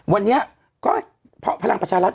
วันนี้ก็เวลาภาคประชารัฐ